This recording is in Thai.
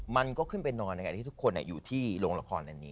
มันก็ขึ้นไปนอนในขณะที่ทุกคนอยู่ที่โรงละครอันนี้